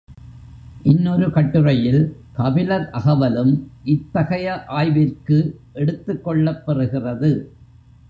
இன்னொரு கட்டுரையில் கபிலர் அகவலும் இத்தகைய ஆய்விற்கு எடுத்துக் கொள்ளப் பெறுகிறது.